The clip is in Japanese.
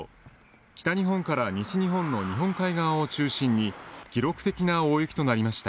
北日本から西日本の日本海側を中心に記録的な大雪となりました。